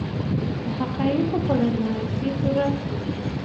د حقایقو په رڼا کې یې پوره کړو.